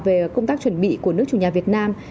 về công tác chuẩn bị của nước chủ nhà việt nam